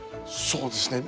そうですね。